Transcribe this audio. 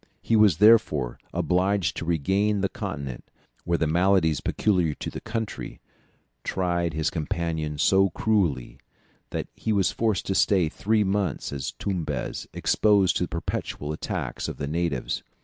He was, therefore, obliged to regain the continent, where the maladies peculiar to the country tried his companions so cruelly, that he was forced to stay three months at Tumbez, exposed to the perpetual attacks of the natives.